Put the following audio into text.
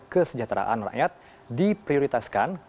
kesejahteraan rakyat diprioritaskan